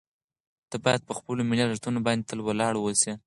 ته باید په خپلو ملي ارزښتونو باندې تل ولاړ واوسې.